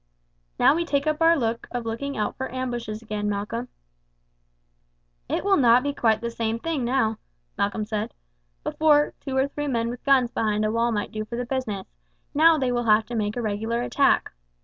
"Now we take up our work of looking out for ambushes again, Malcolm." "It will not be quite the same thing now," Malcolm said. "Before, two or three men with guns behind a wall might do the business, now they will have to make a regular attack.